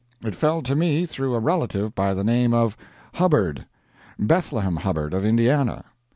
It fell to me through a relative by the name of, Hubbard Bethlehem Hubbard, of Indiana.